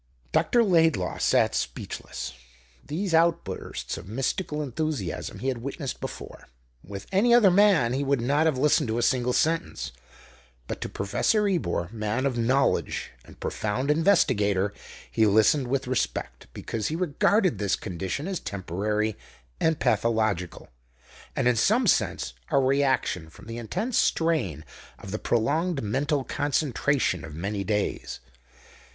Dr. Laidlaw sat speechless. These outbursts of mystical enthusiasm he had witnessed before. With any other man he would not have listened to a single sentence, but to Professor Ebor, man of knowledge and profound investigator, he listened with respect, because he regarded this condition as temporary and pathological, and in some sense a reaction from the intense strain of the prolonged mental concentration of many days.